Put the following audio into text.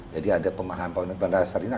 jadi ada pemahaman pemerintah bandara saat ini